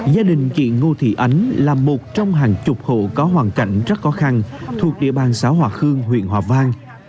gia đình chị ngô thị ánh là một trong hàng chục hộ có hoàn cảnh rất khó khăn thuộc địa bàn xã hòa khương huyện hòa vang